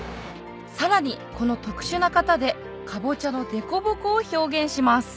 さらにこの特殊な型でかぼちゃのデコボコを表現します